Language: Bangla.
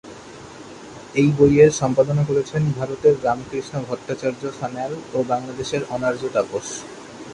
এই বইয়ের সম্পাদনা করেছেন ভারতের রামকৃষ্ণ ভট্টাচার্য সান্যাল ও বাংলাদেশের অনার্য তাপস।